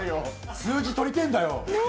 数字、取りてえんだよ！